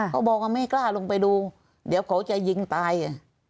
เขาบอกว่าไม่กล้าลงไปดูเดี๋ยวเขาจะยิงตาย